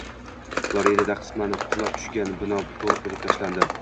Floridada qisman qulab tushgan bino to‘liq buzib tashlandi